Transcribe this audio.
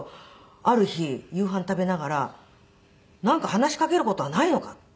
ある日夕飯食べながらなんか話しかける事はないのか？